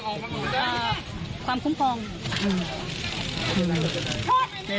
และมีความหวาดกลัวออกมา